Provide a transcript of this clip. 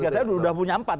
saya sudah punya empat